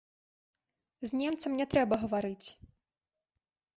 З немцам не трэба гаварыць.